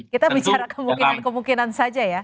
kita bicara kemungkinan kemungkinan saja ya